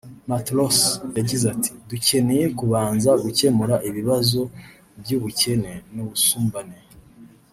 Matlosa yagize ati ”Dukeneye kubanza gukemura ibibazo by’ubukene n’ubusumbane